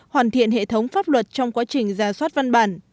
hoàn thiện hệ thống pháp luật trong quá trình ra soát văn bản